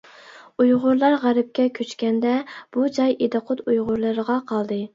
ئۇيغۇرلار غەربكە كۆچكەندە بۇ جاي ئىدىقۇت ئۇيغۇرلىرىغا قالدى.